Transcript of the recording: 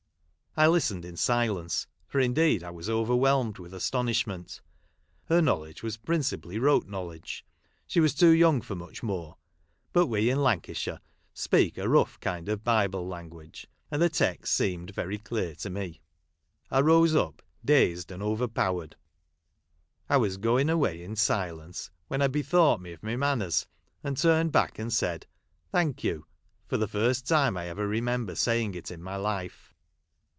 I listened in silence, for indeed I was overwhelmed with astonishment. Her knowledge was principally rote knowledge ; she was too young for much more ; but we, in Lancashire, speak a rough kind of Bible language, and the texts seemed rery clear to me. I rose up, dazed and over powered, I was going away in silence, when I bethought me of my manners, and turned back, and said "Thank you," for the first time I ever remember saying it in my life.